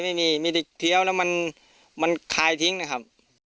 ไม่มีมีแต่เคี้ยวแล้วมันคลายทิ้งนะครับ